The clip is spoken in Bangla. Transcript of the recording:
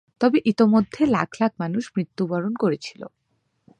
তবে ইতোমধ্যে লাখ লাখ মানুষ মৃত্যুবরণ করেছিল।